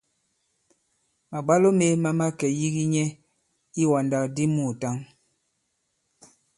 Màbwalo mē ma ke yīgi nyɛ i iwàndak di muùtǎŋ.